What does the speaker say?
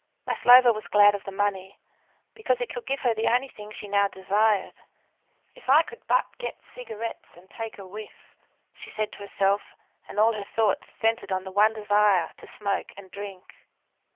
Maslova was glad of the money, because it could give her the only thing she now desired. "If I could but get cigarettes and take a whiff!" she said to herself, and all her thoughts centred on the one desire to smoke and drink.